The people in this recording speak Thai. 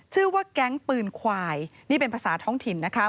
ชื่อว่าแก๊งปืนควายนี่เป็นภาษาท้องถิ่นนะคะ